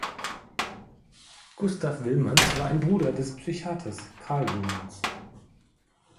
Gustav Wilmanns war ein Bruder des Psychiaters Karl Wilmanns.